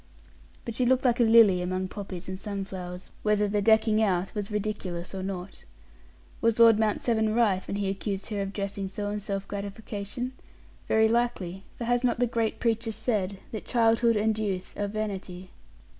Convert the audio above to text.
But she looked like a lily among poppies and sunflowers whether the "decking out" was ridiculous or not. Was Lord Mount Severn right, when he accused her of dressing so in self gratification? Very likely, for has not the great preacher said that childhood and youth are vanity?